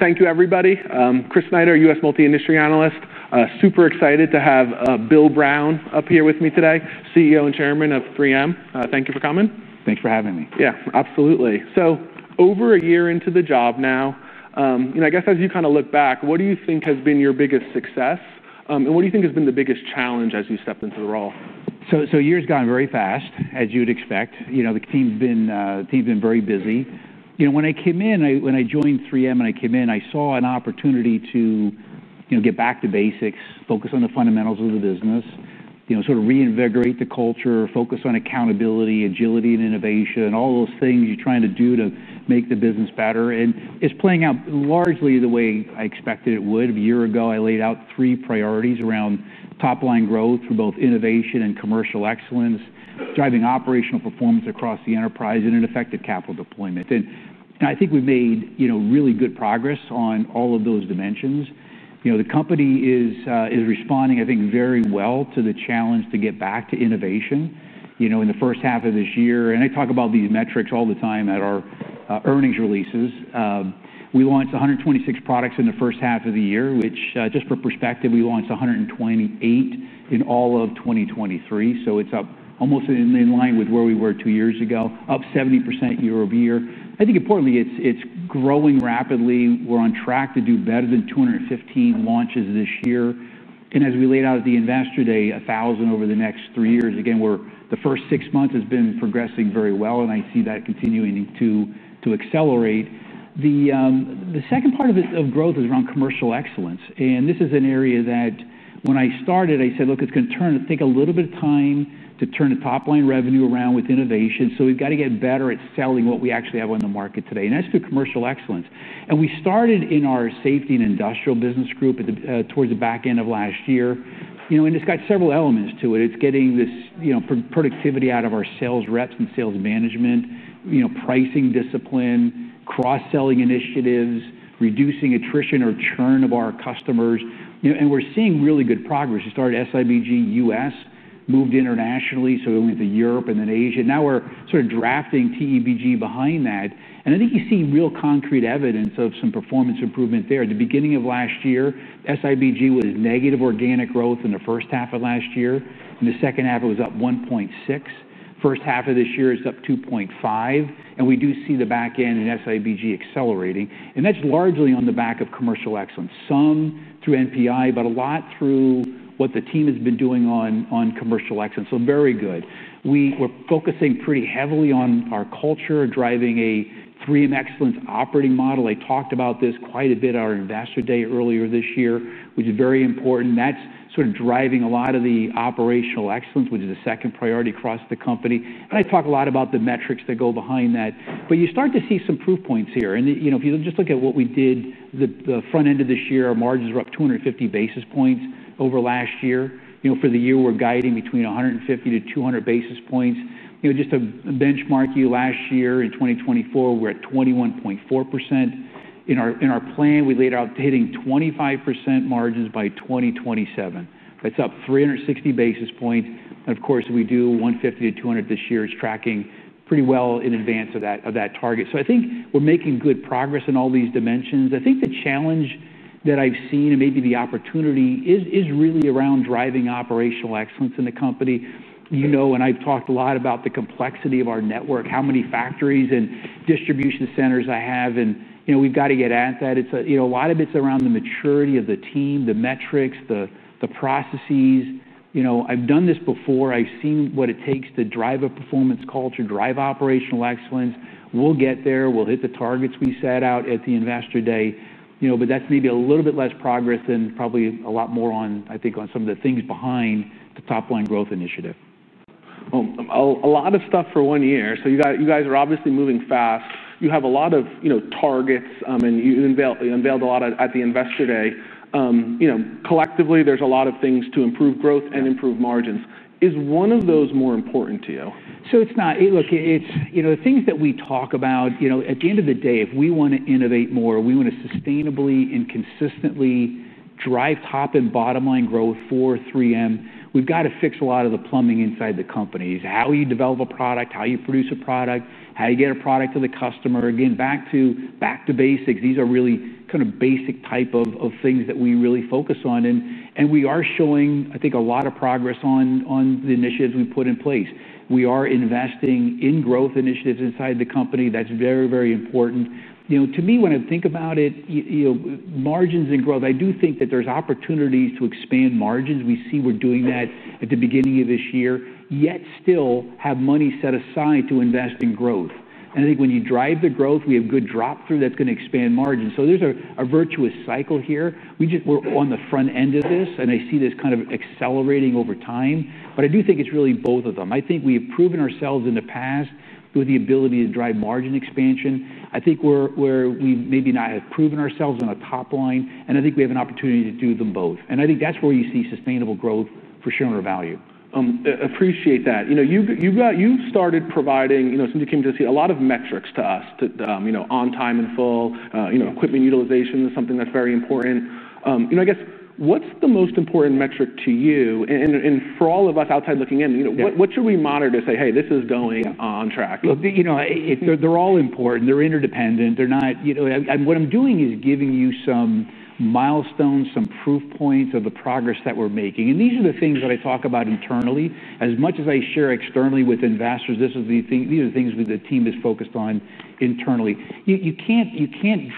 Thank you, everybody. Chris Snyder, U.S. Multi-Industry Analyst. Super excited to have Bill Brown up here with me today, CEO and Chairman of 3M. Thank you for coming. Thanks for having me. Yeah, absolutely. Over a year into the job now, as you kind of look back, what do you think has been your biggest success? What do you think has been the biggest challenge as you stepped into the role? A year has gone very fast, as you'd expect. The team's been very busy. When I joined 3M and I came in, I saw an opportunity to get back to basics, focus on the fundamentals of the business, sort of reinvigorate the culture, focus on accountability, agility, and innovation, and all those things you're trying to do to make the business better. It's playing out largely the way I expected it would. A year ago, I laid out three priorities around top-line growth for both innovation and commercial excellence, driving operational performance across the enterprise, and it affected capital deployment. I think we've made really good progress on all of those dimensions. The company is responding, I think, very well to the challenge to get back to innovation in the first half of this year. I talk about these metrics all the time at our earnings releases. We launched 126 products in the first half of the year, which, just for perspective, we launched 128 in all of 2023. It's up almost in line with where we were two years ago, up 70% year-over-year. I think importantly, it's growing rapidly. We're on track to do better than 215 launches this year. As we laid out at the investor day, 1,000 over the next three years. The first six months have been progressing very well, and I see that continuing to accelerate. The second part of growth is around commercial excellence. This is an area that when I started, I said, look, it's going to take a little bit of time to turn the top-line revenue around with innovation. We've got to get better at selling what we actually have on the market today, and that's through commercial excellence. We started in our Safety and Industrial Business Group towards the back end of last year, and it's got several elements to it. It's getting this productivity out of our sales reps and sales management, pricing discipline, cross-selling initiatives, reducing attrition or churn of our customers. We're seeing really good progress. We started SIBG US, moved internationally, so we went to Europe and then Asia. Now we're sort of drafting TEBG behind that. I think you see real concrete evidence of some performance improvement there. At the beginning of last year, SIBG was negative organic growth in the first half of last year. In the second half, it was up 1.6%. First half of this year, it's up 2.5%. We do see the back end in SIBG accelerating, and that's largely on the back of commercial excellence. Some through NPI, but a lot through what the team has been doing on commercial excellence. Very good. We're focusing pretty heavily on our culture, driving a 3M excellence operating model. I talked about this quite a bit on our investor day earlier this year, which is very important. That's sort of driving a lot of the operational excellence, which is a second priority across the company. I talk a lot about the metrics that go behind that, but you start to see some proof points here. If you just look at what we did the front end of this year, our margins were up 250 basis points over last year. For the year, we're guiding between 150 basis points-200 basis points. Just to benchmark you, last year in 2024, we're at 21.4%. In our plan, we laid out hitting 25% margins by 2027. That's up 360 basis points. Of course, we do 150 basis point-200 basis point this year. It's tracking pretty well in advance of that target. I think we're making good progress in all these dimensions. I think the challenge that I've seen and maybe the opportunity is really around driving operational excellence in the company. I've talked a lot about the complexity of our network, how many factories and distribution centers I have. We've got to get at that. A lot of it's around the maturity of the team, the metrics, the processes. I've done this before. I've seen what it takes to drive a performance culture, drive operational excellence. We'll get there. We'll hit the targets we set out at the investor day. That's maybe a little bit less progress than probably a lot more on, I think, on some of the things behind the top-line growth initiative. A lot of stuff for one year. You guys are obviously moving fast. You have a lot of targets, and you unveiled a lot at the investor day. Collectively, there's a lot of things to improve growth and improve margins. Is one of those more important to you? Look, it's, you know, the things that we talk about, you know, at the end of the day, if we want to innovate more, we want to sustainably and consistently drive top and bottom line growth for 3M. We've got to fix a lot of the plumbing inside the companies. How you develop a product, how you produce a product, how you get a product to the customer. Again, back to basics. These are really kind of basic types of things that we really focus on. We are showing, I think, a lot of progress on the initiatives we put in place. We are investing in growth initiatives inside the company. That's very, very important. You know, to me, when I think about it, you know, margins and growth, I do think that there's opportunities to expand margins. We see we're doing that at the beginning of this year, yet still have money set aside to invest in growth. I think when you drive the growth, we have good drop through that's going to expand margins. There's a virtuous cycle here. We just were on the front end of this, and I see this kind of accelerating over time. I do think it's really both of them. I think we have proven ourselves in the past with the ability to drive margin expansion. I think we maybe not have proven ourselves on a top line, and I think we have an opportunity to do them both. I think that's where you see sustainable growth for sure in our value. Appreciate that. You've started providing some of—you came to see a lot of metrics to us, on-time and in-full, equipment utilization is something that's very important. I guess what's the most important metric to you, and for all of us outside looking in, what should we monitor to say, hey, this is going on track? You know, they're all important. They're interdependent. They're not, you know, and what I'm doing is giving you some milestones, some proof points of the progress that we're making. These are the things that I talk about internally as much as I share externally with investors. This is the thing, these are the things that the team is focused on internally. You can't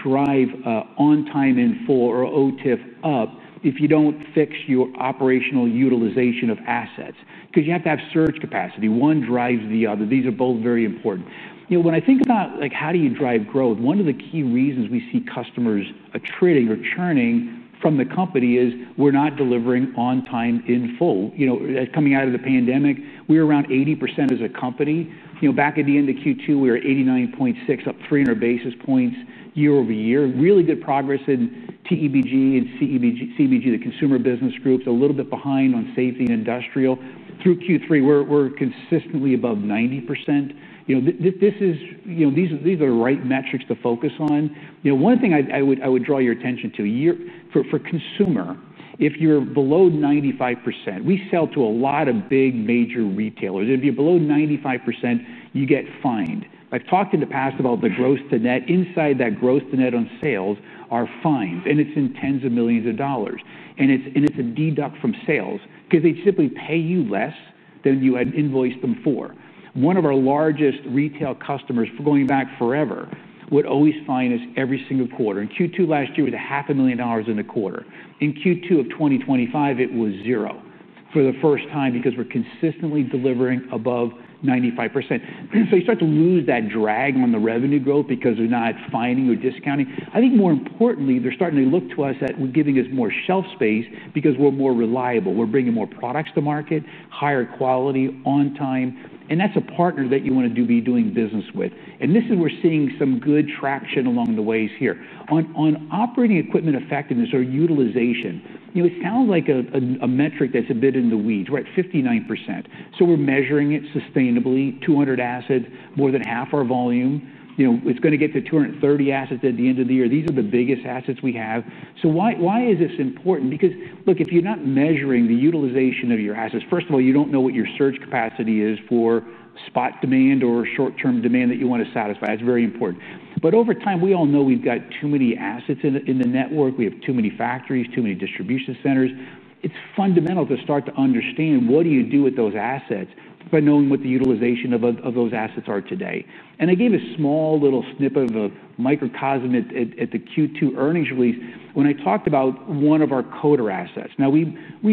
drive on-time and in-full or OTIF up if you don't fix your operational utilization of assets, because you have to have surge capacity. One drives the other. These are both very important. You know, when I think about, like, how do you drive growth, one of the key reasons we see customers attritting or churning from the company is we're not delivering on time in full. You know, coming out of the pandemic, we're around 80% as a company. Back at the end of Q2, we were 89.6%, up 300 basis points year-over-year. Really good progress in TEBG and CEBG, the consumer business groups, a little bit behind on Safety and Industrial. Through Q3, we're consistently above 90%. These are the right metrics to focus on. One thing I would draw your attention to, for consumer, if you're below 95%, we sell to a lot of big major retailers. If you're below 95%, you get fined. I've talked in the past about the gross to net. Inside that gross to net on sales are fines, and it's in tens of millions of dollars. It's a deduct from sales because they simply pay you less than you had invoiced them for. One of our largest retail customers, going back forever, would always fine us every single quarter. In Q2 last year, it was $0.5 million in a quarter. In Q2 of 2025, it was zero for the first time because we're consistently delivering above 95%. You start to lose that drag on the revenue growth because we're not fining or discounting. I think more importantly, they're starting to look to us at giving us more shelf space because we're more reliable. We're bringing more products to market, higher quality, on time, and that's a partner that you want to be doing business with. This is where we're seeing some good traction along the ways here. On operating equipment effectiveness or utilization, it sounds like a metric that's a bit in the weeds, right? 59%. We're measuring it sustainably. 200 assets, more than half our volume. It's going to get to 230 assets at the end of the year. These are the biggest assets we have. Why is this important? If you're not measuring the utilization of your assets, you don't know what your surge capacity is for spot demand or short-term demand that you want to satisfy. That's very important. Over time, we all know we've got too many assets in the network. We have too many factories, too many distribution centers. It's fundamental to start to understand what you do with those assets by knowing what the utilization of those assets is today. I gave a small snippet of a microcosm at the Q2 earnings release when I talked about one of our coder assets. We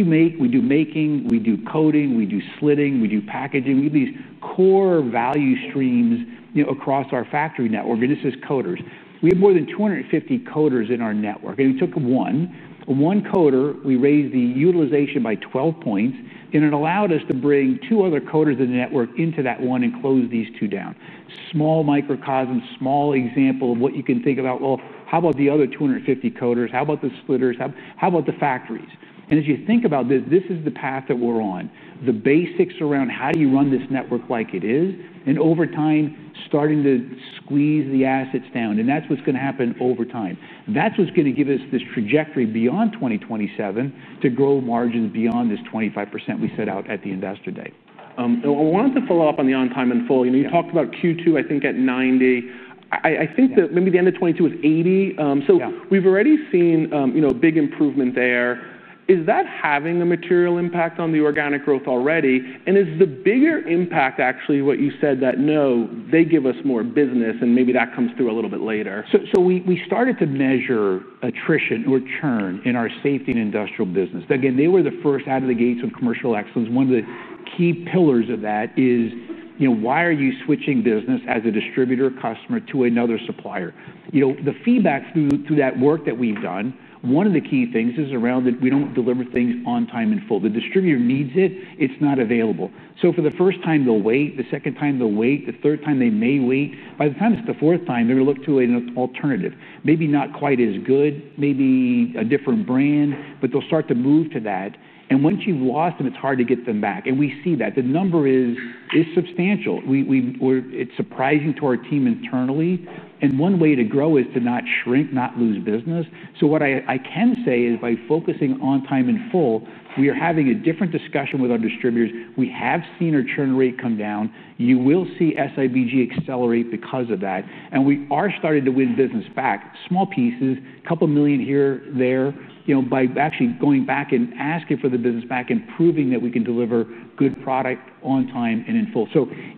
make, we do making, we do coding, we do slitting, we do packaging. We have these core value streams across our factory network, and this is coders. We have more than 250 coders in our network, and we took one. One coder, we raised the utilization by 12 points, and it allowed us to bring two other coders in the network into that one and close these two down. Small microcosm, small example of what you can think about. How about the other 250 coders? How about the slitters? How about the factories? As you think about this, this is the path that we're on. The basics around how you run this network like it is, and over time, starting to squeeze the assets down. That's what's going to happen over time. That's what's going to give us this trajectory beyond 2027 to grow margins beyond this 25% we set out at the investor day. I wanted to follow up on the on-time and in-full. You talked about Q2, I think at 90%. I think that maybe the end of 2022 was 80. We've already seen big improvement there. Is that having a material impact on the organic growth already? Is the bigger impact actually what you said, that no, they give us more business, and maybe that comes through a little bit later? We started to measure attrition or churn in our Safety and Industrial Business. They were the first out of the gates on commercial excellence. One of the key pillars of that is, you know, why are you switching business as a distributor customer to another supplier? The feedback through that work that we've done, one of the key things is around that we don't deliver things on time and in full. The distributor needs it. It's not available. For the first time, they'll wait. The second time, they'll wait. The third time, they may wait. By the time it's the fourth time, they're going to look to an alternative. Maybe not quite as good, maybe a different brand, but they'll start to move to that. Once you've lost them, it's hard to get them back. We see that. The number is substantial. It's surprising to our team internally. One way to grow is to not shrink, not lose business. What I can say is by focusing on time and in full, we are having a different discussion with our distributors. We have seen our churn rate come down. You will see SIBG accelerate because of that. We are starting to win business back. Small pieces, a couple million here, there, by actually going back and asking for the business back and proving that we can deliver good product on time and in full.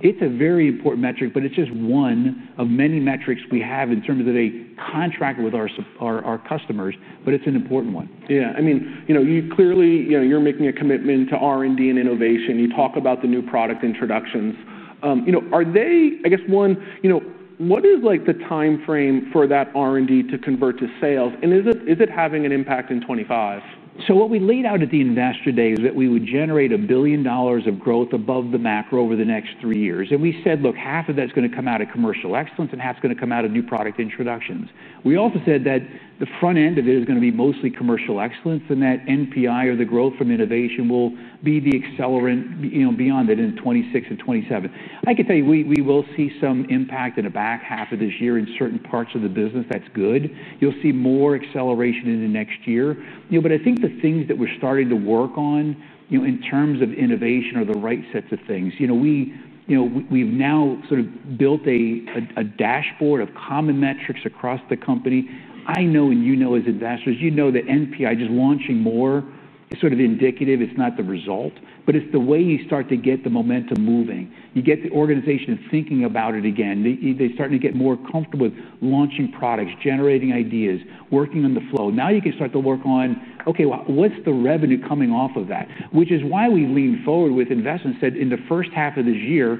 It's a very important metric, but it's just one of many metrics we have in terms of a contract with our customers, but it's an important one. Yeah, I mean, you clearly, you know, you're making a commitment to R&D and innovation. You talk about the new product introductions. Are they, I guess, one, you know, what is like the timeframe for that R&D to convert to sales? Is it having an impact in 2025? What we laid out at the Investor Day is that we would generate $1 billion of growth above the macro over the next three years. We said, look, half of that is going to come out of commercial excellence, and half is going to come out of new product introductions. We also said that the front end of it is going to be mostly commercial excellence, and that NPI or the growth from innovation will be the accelerant beyond it in 2026 and 2027. I can tell you we will see some impact in the back half of this year in certain parts of the business. That's good. You'll see more acceleration in the next year. I think the things that we're starting to work on in terms of innovation are the right sets of things. We've now sort of built a dashboard of common metrics across the company. I know, and as investors, you know that NPI, just launching more, is sort of indicative. It's not the result, but it's the way you start to get the momentum moving. You get the organization thinking about it again. They're starting to get more comfortable with launching products, generating ideas, working on the flow. Now you can start to work on, okay, what's the revenue coming off of that? Which is why we leaned forward with investments that in the first half of this year,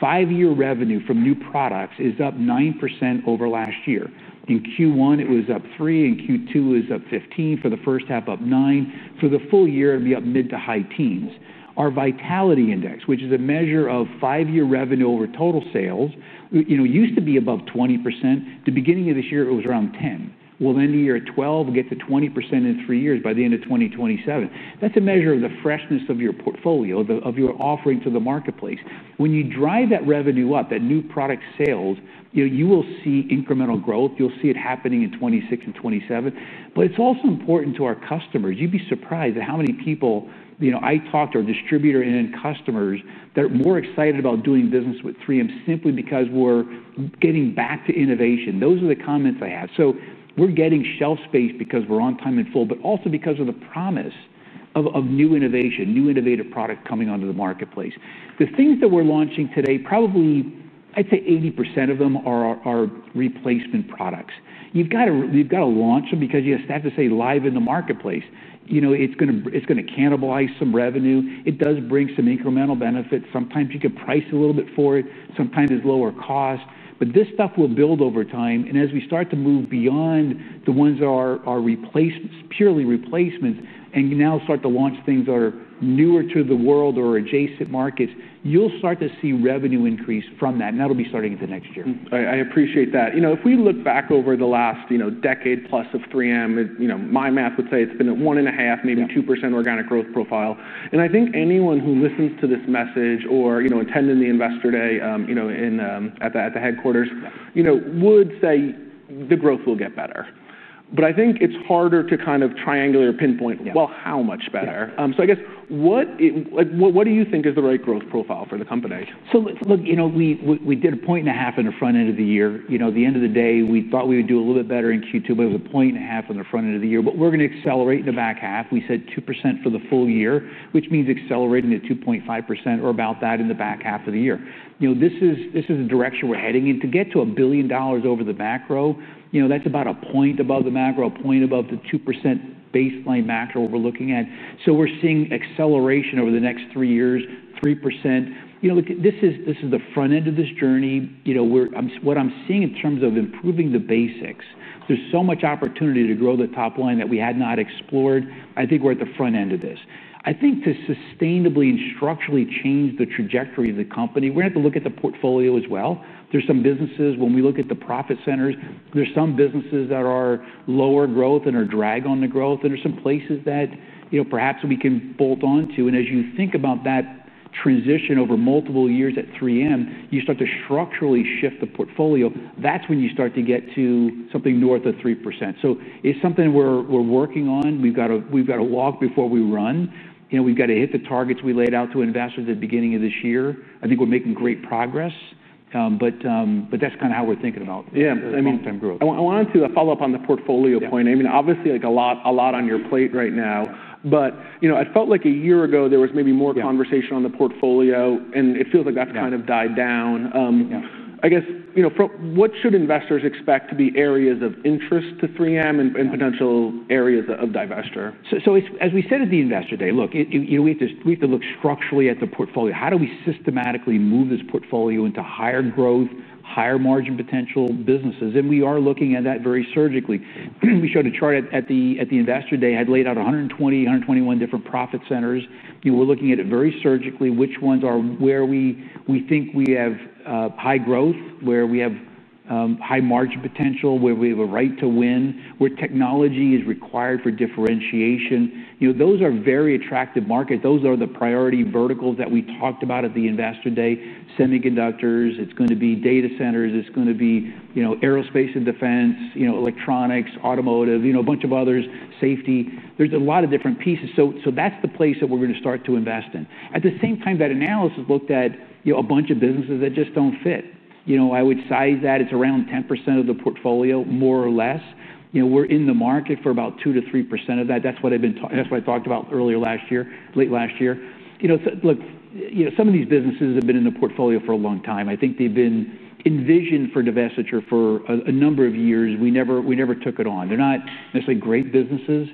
five-year revenue from new products is up 9% over last year. In Q1, it was up 3%. In Q2, it was up 15%. For the first half, up 9%. For the full year, it'd be up mid to high teens. Our vitality index, which is a measure of five-year revenue over total sales, used to be above 20%. At the beginning of this year, it was around 10%. We'll end the year at 12%, get to 20% in three years by the end of 2027. That's a measure of the freshness of your portfolio, of your offering to the marketplace. When you drive that revenue up, that new product sales, you will see incremental growth. You'll see it happening in 2026 and 2027. It's also important to our customers. You'd be surprised at how many people I talked to, our distributor and customers, that are more excited about doing business with 3M simply because we're getting back to innovation. Those are the comments I have. We're getting shelf space because we're on time and full, but also because of the promise of new innovation, new innovative product coming onto the marketplace. The things that we're launching today, probably I'd say 80% of them are replacement products. You've got to launch them because you have to stay live in the marketplace. You know, it's going to cannibalize some revenue. It does bring some incremental benefit. Sometimes you can price a little bit for it. Sometimes it's lower cost. This stuff will build over time. As we start to move beyond the ones that are purely replacements and now start to launch things that are newer to the world or adjacent markets, you'll start to see revenue increase from that. That'll be starting at the next year. I appreciate that. If we look back over the last decade plus of 3M, my math would say it's been at 1.5%, maybe 2% organic growth profile. I think anyone who listens to this message or attending the Investor Day at the headquarters would say the growth will get better. I think it's harder to kind of triangular pinpoint, how much better? I guess what do you think is the right growth profile for the company? Look, we did a point and a half in the front end of the year. At the end of the day, we thought we would do a little bit better in Q2, but it was a point and a half in the front end of the year. We're going to accelerate in the back half. We said 2% for the full year, which means accelerating at 2.5% or about that in the back half of the year. This is the direction we're heading in to get to a billion $1 billion over the macro. That's about a point above the macro, a point above the 2% baseline macro we're looking at. We're seeing acceleration over the next three years, 3%. This is the front end of this journey. What I'm seeing in terms of improving the basics, there's so much opportunity to grow the top line that we had not explored. I think we're at the front end of this. I think to sustainably and structurally change the trajectory of the company, we're going to have to look at the portfolio as well. There are some businesses, when we look at the profit centers, that are lower growth and are dragging on the growth. There are some places that perhaps we can bolt onto. As you think about that transition over multiple years at 3M, you start to structurally shift the portfolio. That's when you start to get to something north of 3%. It's something we're working on. We've got to walk before we run. We've got to hit the targets we laid out to investors at the beginning of this year. I think we're making great progress. That's kind of how we're thinking about long-term growth. I wanted to follow up on the portfolio point. Obviously, like a lot on your plate right now. I felt like a year ago there was maybe more conversation on the portfolio, and it feels like that's kind of died down. What should investors expect to be areas of interest to 3M and potential areas of divestiture? As we said at the investor day, look, we have to look structurally at the portfolio. How do we systematically move this portfolio into higher growth, higher margin potential businesses? We are looking at that very surgically. We showed a chart at the investor day that had laid out 120, 121 different profit centers. We're looking at it very surgically, which ones are where we think we have high growth, where we have high margin potential, where we have a right to win, where technology is required for differentiation. Those are very attractive markets. Those are the priority verticals that we talked about at the Investor Day: semiconductors, data centers, aerospace and defense, electronics, automotive, a bunch of others, safety. There are a lot of different pieces. That's the place that we're going to start to invest in. At the same time, that analysis looked at a bunch of businesses that just don't fit. I would size that at around 10% of the portfolio, more or less. We're in the market for about 2-%3% of that. That's what I talked about earlier last year, late last year. Some of these businesses have been in the portfolio for a long time. I think they've been envisioned for divestiture for a number of years. We never took it on. They're not necessarily great businesses.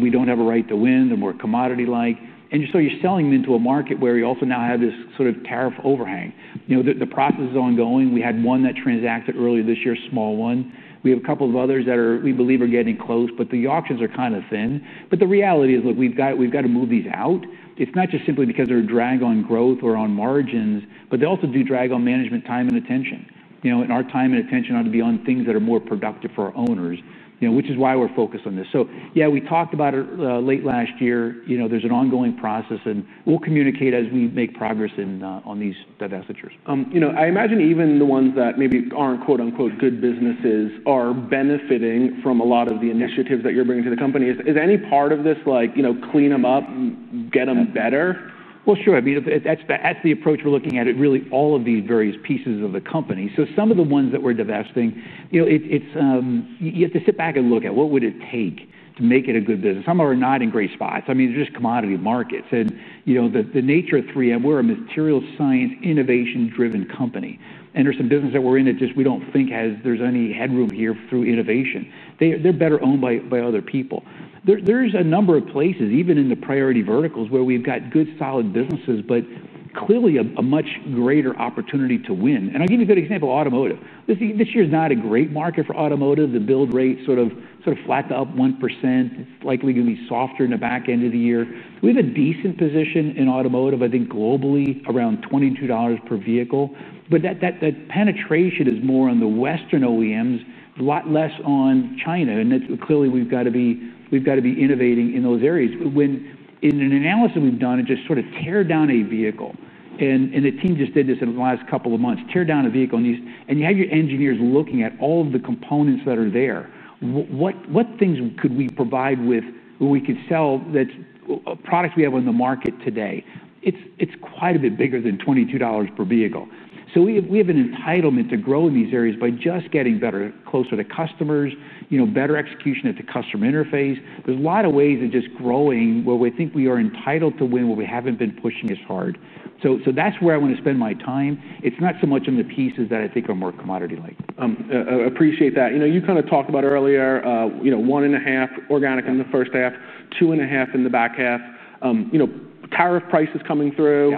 We don't have a right to win. They're more commodity-like, and you're selling them into a market where you also now have this sort of tariff overhang. The process is ongoing. We had one that transacted earlier this year, a small one. We have a couple of others that we believe are getting close, but the options are kind of thin. The reality is we've got to move these out. It's not just simply because they're dragging on growth or on margins, but they also do drag on management time and attention. Our time and attention ought to be on things that are more productive for our owners, which is why we're focused on this. We talked about it late last year. There's an ongoing process, and we'll communicate as we make progress on these divestitures. You know, I imagine even the ones that maybe aren't quote unquote good businesses are benefiting from a lot of the initiatives that you're bringing to the company. Is any part of this like, you know, clean them up, get them better? That is the approach we're looking at. It really is all of these various pieces of the company. Some of the ones that we're divesting, you have to sit back and look at what would it take to make it a good business. Some of them are not in great spots. They're just commodity markets. The nature of 3M, we are a material science, innovation-driven company. There is some business that we're in that just we don't think there's any headroom here through innovation. They're better owned by other people. There are a number of places, even in the priority verticals, where we've got good solid businesses, but clearly a much greater opportunity to win. I'll give you a good example, automotive. This year is not a great market for automotive. The build rate is sort of flat to up 1%. It's likely going to be softer in the back end of the year. We have a decent position in automotive, I think globally, around $22 per vehicle. That penetration is more on the Western OEMs, a lot less on China. Clearly, we've got to be innovating in those areas. In an analysis that we've done and just sort of tear down a vehicle, and the team just did this in the last couple of months, tear down a vehicle, and you had your engineers looking at all of the components that are there. What things could we provide with what we could sell that's a product we have on the market today? It's quite a bit bigger than $22 per vehicle. We have an entitlement to grow in these areas by just getting better, closer to customers, better execution at the customer interface. There are a lot of ways of just growing where we think we are entitled to win where we haven't been pushing as hard. That is where I want to spend my time. It's not so much on the pieces that I think are more commodity-like. Appreciate that. You kind of talked about earlier, you know, one and a half organic in the first half, 2.5 in the back half. Tariff prices coming through.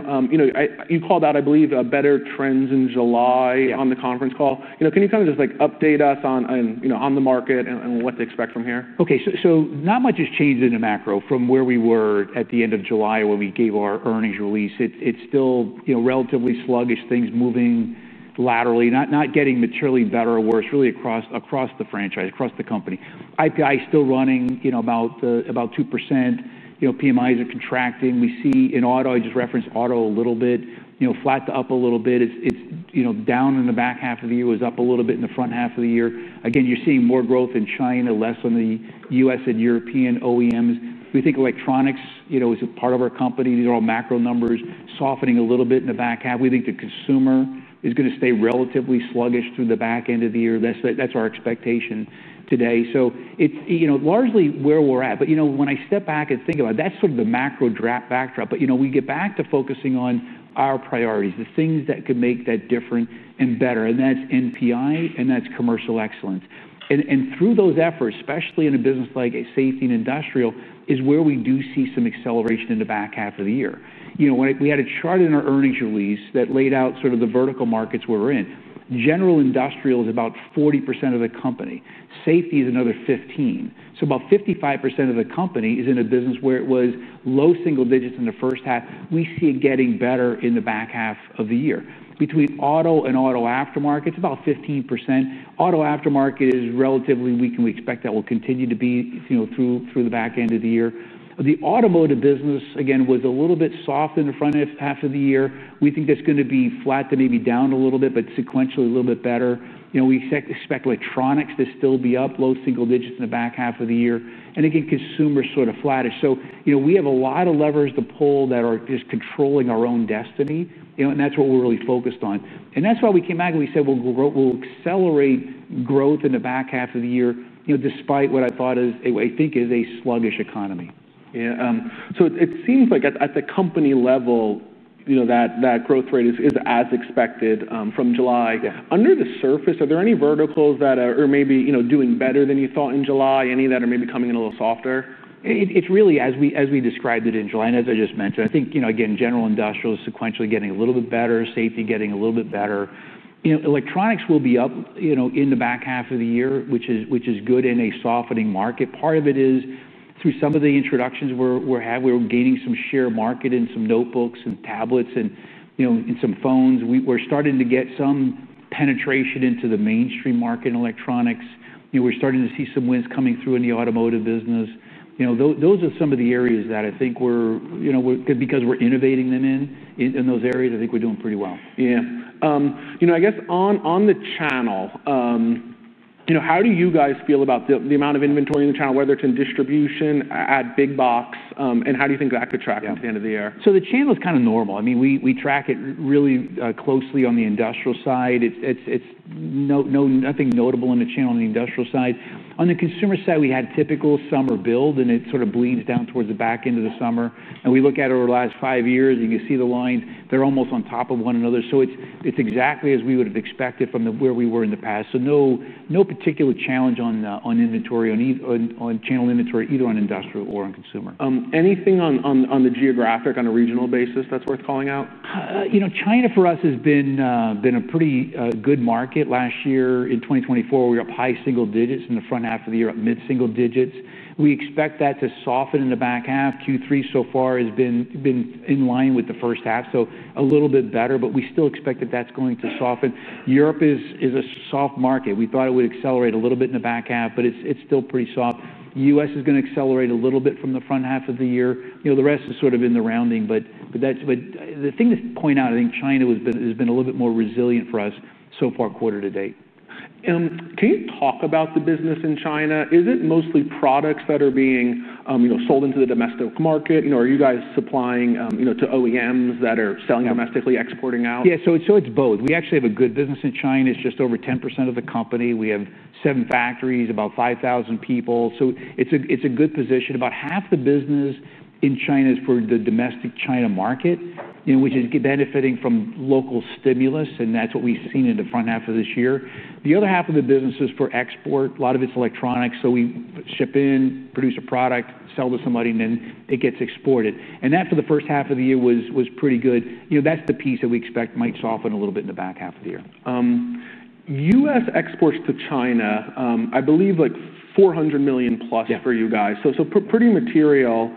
You called out, I believe, better trends in July on the conference call. Can you kind of just update us on the market and what to expect from here? Okay. Not much has changed in the macro from where we were at the end of July when we gave our earnings release. It's still, you know, relatively sluggish, things moving laterally, not getting materially better or worse, really across the franchise, across the company. IPI is still running about 2%. PMIs are contracting. We see in auto, I just referenced auto a little bit, flat to up a little bit. It's down in the back half of the year, was up a little bit in the front half of the year. You're seeing more growth in China, less on the U.S. and European OEMs. We think electronics is a part of our company. These are all macro numbers, softening a little bit in the back half. We think the consumer is going to stay relatively sluggish through the back end of the year. That's our expectation today. It's largely where we're at. When I step back and think about it, that's sort of the macro backdrop. We get back to focusing on our priorities, the things that could make that different and better. That's NPI, and that's commercial excellence. Through those efforts, especially in a business like Safety and Industrial, is where we do see some acceleration in the back half of the year. We had a chart in our earnings release that laid out the vertical markets we're in. General industrial is about 40% of the company. Safety is another 15%. About 55% of the company is in a business where it was low single digits in the first half. We see it getting better in the back half of the year. Between auto and auto aftermarket, it's about 15%. Auto aftermarket is relatively weak, and we expect that will continue to be through the back end of the year. The automotive business, again, was a little bit soft in the front half of the year. We think that's going to be flat to maybe down a little bit, but sequentially a little bit better. We expect electronics to still be up low single digits in the back half of the year. Consumer is sort of flattish. We have a lot of levers to pull that are just controlling our own destiny. That's what we're really focused on. That's why we came back and we said, we'll accelerate growth in the back half of the year, despite what I think is a sluggish economy. Yeah. It seems like at the company level, you know, that growth rate is as expected from July. Under the surface, are there any verticals that are maybe, you know, doing better than you thought in July? Any that are maybe coming in a little softer? It's really, as we described it in July, and as I just mentioned, I think general industrial is sequentially getting a little bit better, safety getting a little bit better. Electronics will be up in the back half of the year, which is good in a softening market. Part of it is through some of the introductions we're having, we're gaining some share market in some notebooks and tablets and in some phones. We're starting to get some penetration into the mainstream market in electronics. We're starting to see some wins coming through in the automotive business. Those are some of the areas that I think we're, because we're innovating them in those areas, I think we're doing pretty well. Yeah, you know, I guess on the channel, you know, how do you guys feel about the amount of inventory in the channel, whether it's in distribution at Big Box, and how do you think that could track at the end of the year? The channel is kind of normal. I mean, we track it really closely on the industrial side. It's nothing notable in the channel on the industrial side. On the consumer side, we had a typical summer build, and it sort of bleeds down towards the back end of the summer. We look at it over the last five years, and you can see the lines. They're almost on top of one another. It's exactly as we would have expected from where we were in the past. No particular challenge on inventory, on channel inventory, either on industrial or on consumer. Anything on the geographic, on a regional basis, that's worth calling out? You know, China for us has been a pretty good market. Last year in 2024, we were up high single digits. In the front half of the year, up mid-single digits. We expect that to soften in the back half. Q3 so far has been in line with the first half, so a little bit better, but we still expect that that's going to soften. Europe is a soft market. We thought it would accelerate a little bit in the back half, but it's still pretty soft. The U.S. is going to accelerate a little bit from the front half of the year. You know, the rest is sort of in the rounding, but the thing to point out, I think China has been a little bit more resilient for us so far quarter-to-date. Can you talk about the business in China? Is it mostly products that are being sold into the domestic market? Are you guys supplying to OEMs that are selling domestically, exporting out? Yeah, so it's both. We actually have a good business in China. It's just over 10% of the company. We have seven factories, about 5,000 people. It's a good position. About half the business in China is for the domestic China market, which is benefiting from local stimulus, and that's what we've seen in the front half of this year. The other half of the business is for export. A lot of it's electronics. We ship in, produce a product, sell to somebody, and then it gets exported. That for the first half of the year was pretty good. That's the piece that we expect might soften a little bit in the back half of the year. U.S. exports to China, I believe, like $400 million+ for you guys. Pretty material.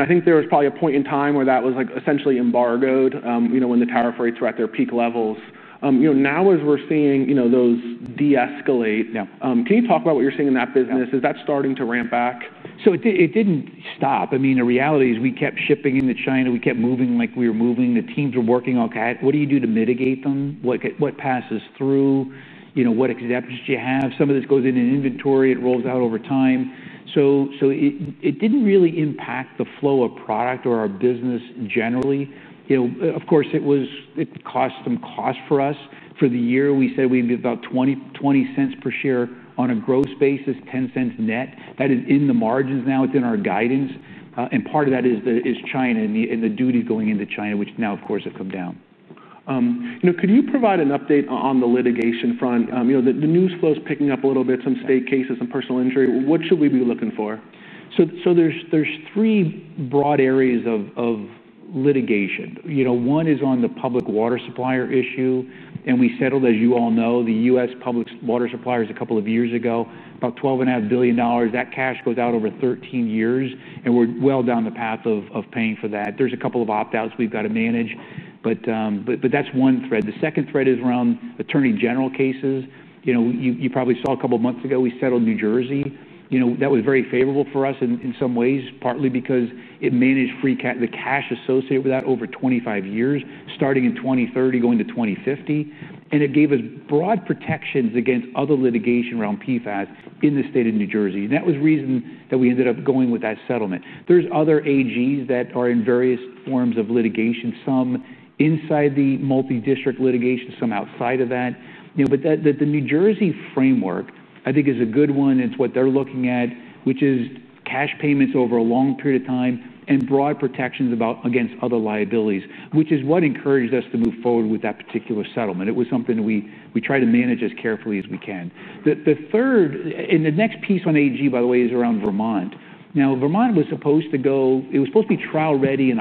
I think there was probably a point in time where that was essentially embargoed, when the tariff rates were at their peak levels. Now, as we're seeing those de-escalate, can you talk about what you're seeing in that business? Is that starting to ramp back? It didn't stop. I mean, the reality is we kept shipping into China. We kept moving like we were moving. The teams were working all. What do you do to mitigate them? What passes through? You know, what exceptions do you have? Some of this goes into inventory. It rolls out over time. It didn't really impact the flow of product or our business generally. You know, of course, it was, it cost some cost for us. For the year, we said we'd be about $0.20 per share on a gross basis, $0.10 net. That is in the margins now. It's in our guidance. Part of that is China and the duties going into China, which now, of course, have come down. Could you provide an update on the litigation front? The news flow is picking up a little bit, some state cases, some personal injury. What should we be looking for? There are three broad areas of litigation. One is on the public water supplier issue. We settled, as you all know, the U.S. public water suppliers a couple of years ago, about $12.5 billion. That cash goes out over 13 years, and we're well down the path of paying for that. There are a couple of opt-outs we've got to manage, but that's one thread. The second thread is around Attorney General cases. You probably saw a couple of months ago, we settled New Jersey. That was very favorable for us in some ways, partly because it managed the cash associated with that over 25 years, starting in 2030, going to 2050. It gave us broad protections against other litigation around PFAS in the state of New Jersey. That was the reason that we ended up going with that settlement. There are other AGs that are in various forms of litigation, some inside the multi-district litigation, some outside of that. The New Jersey framework, I think, is a good one. It's what they're looking at, which is cash payments over a long period of time and broad protections against other liabilities, which is what encouraged us to move forward with that particular settlement. It was something we tried to manage as carefully as we can. The next piece on AG, by the way, is around Vermont. Vermont was supposed to be trial ready in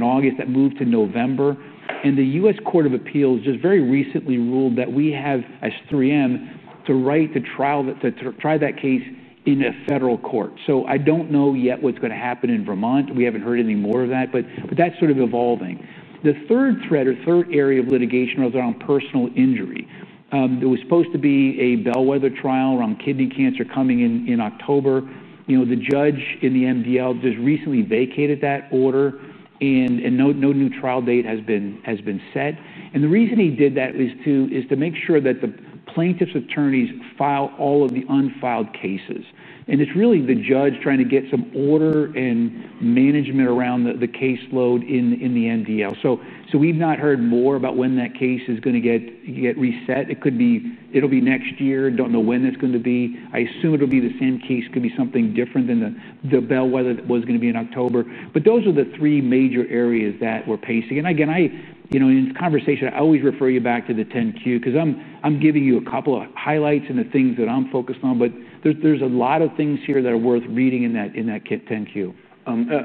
August; that moved to November. The U.S. Court of Appeals just very recently ruled that we have, as 3M, the right to try that case in a federal court. I don't know yet what's going to happen in Vermont. We haven't heard any more of that, but that's sort of evolving. The third thread or third area of litigation is around personal injury. It was supposed to be a bellwether trial around kidney cancer coming in October. The judge in the MDL just recently vacated that order, and no new trial date has been set. The reason he did that is to make sure that the plaintiff's attorneys file all of the unfiled cases. It's really the judge trying to get some order and management around the caseload in the MDL. We've not heard more about when that case is going to get reset. It could be, it will be next year. I don't know when that's going to be. I assume it'll be the same case. It could be something different than the bellwether that was going to be in October. Those are the three major areas that we're pacing. In conversation, I always refer you back to the 10Q because I'm giving you a couple of highlights and the things that I'm focused on. There are a lot of things here that are worth reading in that 10Q.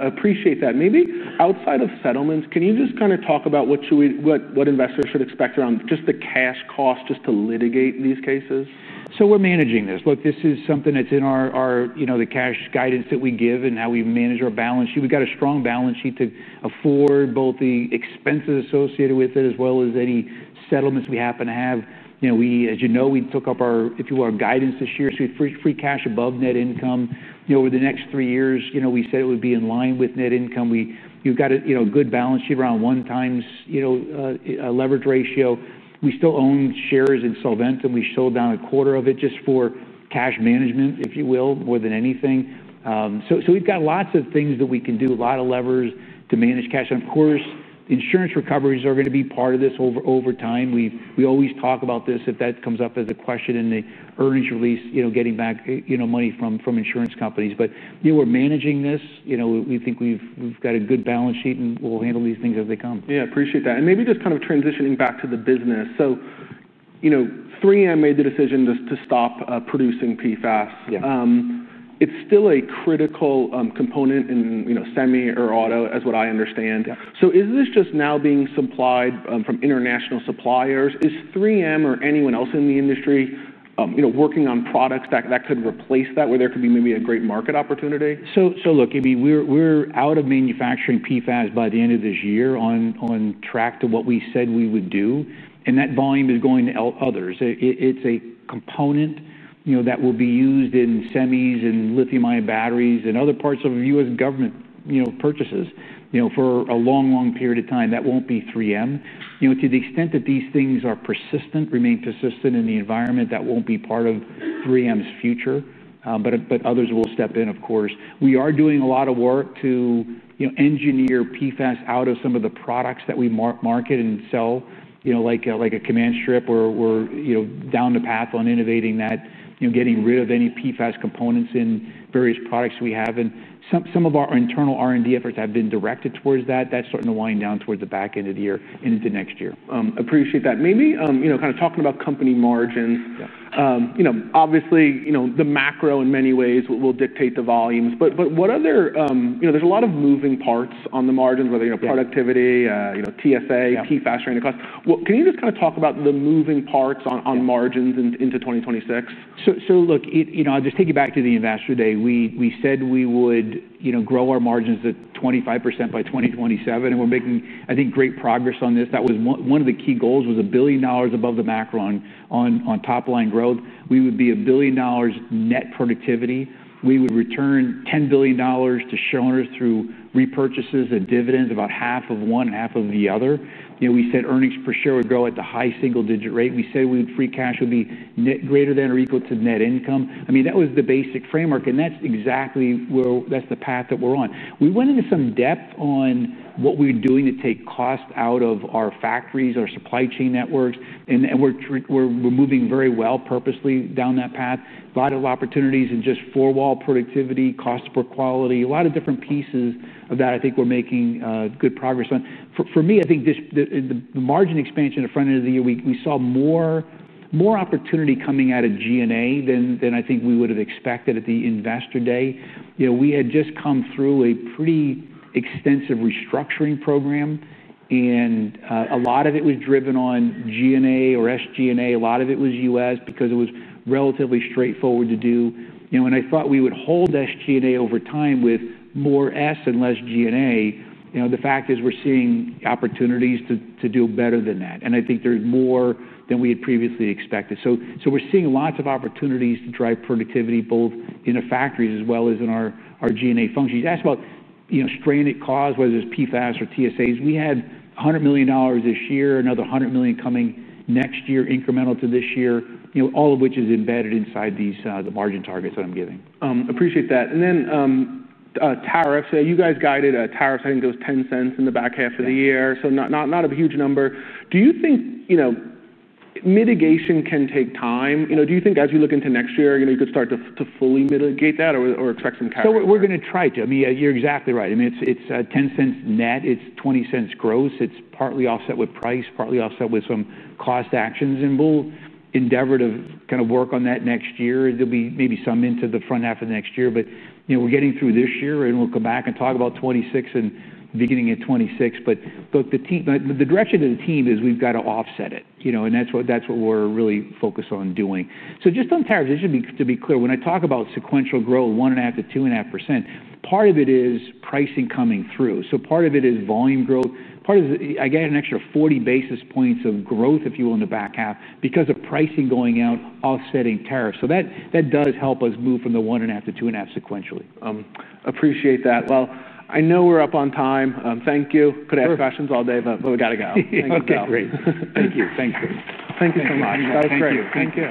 Appreciate that. Maybe outside of settlements, can you just kind of talk about what investors should expect around just the cash cost just to litigate these cases? We're managing this. This is something that's in our, you know, the cash guidance that we give and how we manage our balance sheet. We've got a strong balance sheet to afford both the expenses associated with it as well as any settlements we happen to have. As you know, we took up our, if you want, guidance this year. We have free cash above net income. Over the next three years, we said it would be in line with net income. We've got a good balance sheet around one times, you know, a leverage ratio. We still own shares in Solventum. We sold down a quarter of it just for cash management, if you will, more than anything. We've got lots of things that we can do, a lot of levers to manage cash. Of course, insurance recoveries are going to be part of this over time. We always talk about this if that comes up as a question in the earnings release, getting back money from insurance companies. We're managing this. We think we've got a good balance sheet, and we'll handle these things as they come. I appreciate that. Maybe just kind of transitioning back to the business. 3M made the decision to stop producing PFAS. It's still a critical component in semi or auto, as what I understand. Is this just now being supplied from international suppliers? Is 3M or anyone else in the industry working on products that could replace that where there could be maybe a great market opportunity? We're out of manufacturing PFAS by the end of this year on track to what we said we would do. That volume is going to help others. It's a component that will be used in semis and lithium-ion batteries and other parts of the U.S. government purchases for a long, long period of time. That won't be 3M. To the extent that these things are persistent, remain persistent in the environment, that won't be part of 3M's future. Others will step in, of course. We are doing a lot of work to engineer PFAS out of some of the products that we market and sell, like a command strip. We're down the path on innovating that, getting rid of any PFAS components in various products we have. Some of our internal R&D efforts have been directed towards that. That's starting to wind down towards the back end of the year and into next year. Appreciate that. Maybe kind of talking about company margins. Obviously, the macro in many ways will dictate the volumes. What other, you know, there's a lot of moving parts on the margins, whether productivity, TSA, PFAS, stranded costs. Can you just kind of talk about the moving parts on margins into 2026? Look, I'll just take you back to the investor day. We said we would grow our margins at 25% by 2027, and we're making, I think, great progress on this. That was one of the key goals, was $1 billion above the macro on top line growth. We would be $1 billion net productivity. We would return $10 billion to share owners through repurchases and dividends, about half of one and half of the other. We said EPS would grow at the high single digit rate. We said free cash would be net greater than or equal to net income. I mean, that was the basic framework, and that's exactly where that's the path that we are on. We went into some depth on what we're doing to take cost out of our factories, our supply chain networks, and we're moving very well, purposely down that path. A lot of opportunities in just four-wall productivity, cost per quality, a lot of different pieces of that I think we're making good progress on. For me, I think the margin expansion at the front end of the year, we saw more opportunity coming out of G&A than I think we would have expected at the investor day. We had just come through a pretty extensive restructuring program, and a lot of it was driven on G&A or SG&A. A lot of it was U.S. because it was relatively straightforward to do. I thought we would hold SG&A over time with more S and less G&A. The fact is we're seeing opportunities to do better than that, and I think there's more than we had previously expected. We're seeing lots of opportunities to drive productivity both in the factories as well as in our G&A functions. You asked about stranded costs, whether it's PFAS or TSAs. We had $100 million this year, another $100 million coming next year, incremental to this year, all of which is embedded inside these margin targets that I'm giving. Appreciate that. Tariffs, you guys guided tariffs, I think it was $0.10 in the back half of the year. Not a huge number. Do you think mitigation can take time? Do you think as you look into next year, you could start to fully mitigate that or expect some cash? We're going to try to. You're exactly right. It's $0.10 net. It's $0.20 gross. It's partly offset with price, partly offset with some cost actions. We'll endeavor to kind of work on that next year. There'll be maybe some into the front half of next year. We're getting through this year, and we'll come back and talk about 2026 and the beginning of 2026. The direction of the team is we've got to offset it. That's what we're really focused on doing. Just on tariffs, just to be clear, when I talk about sequential growth, 1.5%-2.5%, part of it is pricing coming through. Part of it is volume growth. I get an extra 40 basis points of growth, if you will, in the back half because of pricing going out, offsetting tariffs. That does help us move from the 1.5%-2.5% sequentially. Appreciate that. I know we are up on time. Thank you. Could have questions all day, but we got to go. Okay, great. Thank you. Thank you. Thank you so much. Thank you.